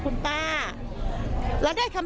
คนที่ไม่เข้าแถวจะไม่ได้นะครับ